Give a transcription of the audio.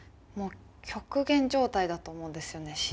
もう極限状態だと思うんですよね